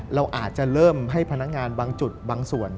เราอาจจะเริ่มให้พนักงานบางจุดบางส่วน